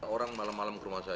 orang malam malam ke rumah saya